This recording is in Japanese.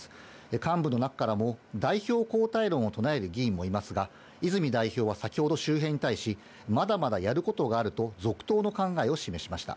幹部の中からも、代表交代論を唱える議員もいますが、泉代表は先ほど周辺に対し、まだまだやることがあると続投の考えを示しました。